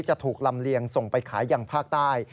จะถูกลำเลียงส่งไปขายอย่างภาคใต้